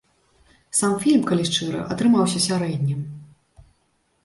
Сам фільм, калі шчыра, атрымаўся сярэднім.